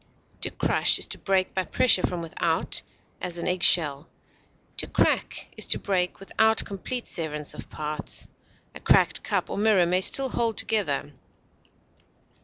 To crush is to break by pressure from without, as an egg shell. To crack is to break without complete severance of parts; a cracked cup or mirror may still hold together.